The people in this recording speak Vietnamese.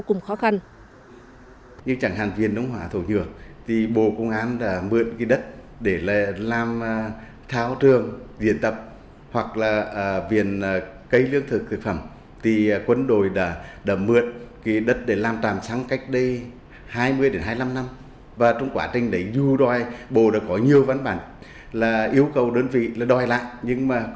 cùng khó khăn như chẳng hạn viên đông hòa thổ nhược thì bộ công an đã mượn cái đất để làm tháo trường diện tập hoạt viện